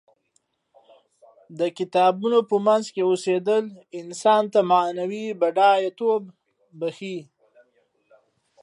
د کتابونو په منځ کې اوسیدل انسان ته معنوي بډایه توب بښي.